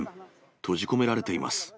閉じ込められています。